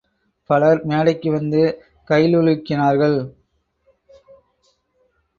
பலர் மேடைக்கு வந்து கைழுலுக்கினார்கள்.